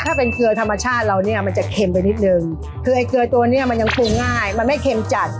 ถ้าเป็นเกลือธรรมชาติเราเนี่ยมันจะเค็มไปนิดนึงคือไอ้เกลือตัวเนี้ยมันยังปรุงง่ายมันไม่เค็มจัด